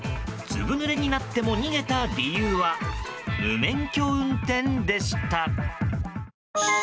ずぶぬれになっても逃げた理由は無免許運転でした。